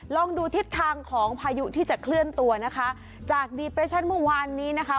ลองดูทิศทางของพายุที่จะเคลื่อนตัวนะคะจากดีเปรชั่นเมื่อวานนี้นะคะ